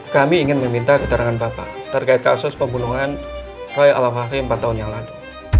kami ingin meminta keterangan bapak terkait kasus pembunuhan roy al fahri empat tahun yang lalu